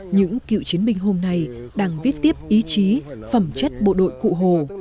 những cựu chiến binh hôm nay đang viết tiếp ý chí phẩm chất bộ đội cụ hồ